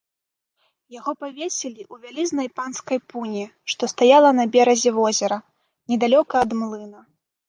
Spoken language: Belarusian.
Яго павесілі ў вялізнай панскай пуні, што стаяла на беразе возера, недалёка ад млына.